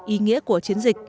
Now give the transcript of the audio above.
ý nghĩa của chiến dịch